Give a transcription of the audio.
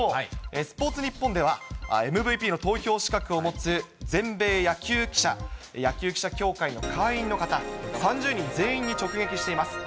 スポーツニッポンでは、ＭＶＰの投票資格を持つ全米野球記者協会の会員の方、３０人全員に直撃しています。